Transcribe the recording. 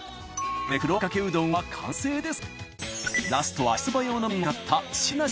これで黒あんかけうどんは完成です。